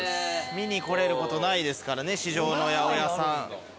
見に来れることないですから市場の八百屋さん。